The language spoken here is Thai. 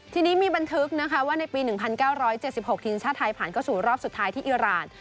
ทีนี้มีบันทึกนะคะว่าในปี๑๙๗๖ทีมชาติไทยผ่านเข้าสู่รอบสุดท้ายที่อิราณ